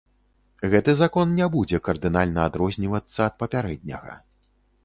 Гэты закон не будзе кардынальна адрознівацца ад папярэдняга.